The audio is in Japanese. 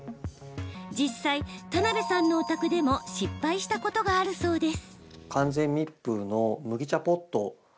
実際、田邊さんのお宅でも失敗したことがあるそうです。